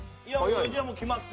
じゃあもう決まった。